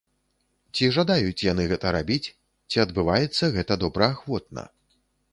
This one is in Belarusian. Ці жадаюць яны гэта рабіць, ці адбываецца гэта добраахвотна?